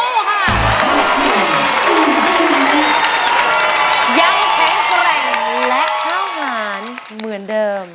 ยังแข็งแกร่งและเข้างานเหมือนเดิม